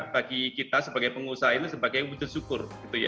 bagi kita sebagai pengusaha ini sebagai wujud syukur